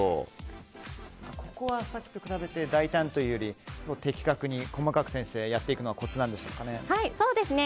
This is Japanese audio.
ここはさっきと比べて大胆というより的確に細かくやっていくのがコツなんでしょうかね。